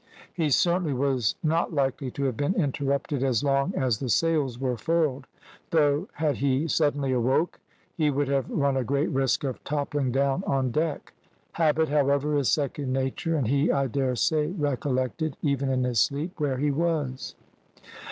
"He certainly was not likely to have been interrupted as long as the sails were furled, though had he suddenly awoke he would have run a great risk of toppling down on deck. Habit, however, is second nature, and he, I dare say, recollected, even in his sleep, where he was.